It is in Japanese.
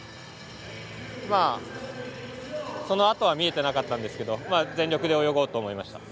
そのあとは見えてなかったんですけど全力で泳ごうと思いました。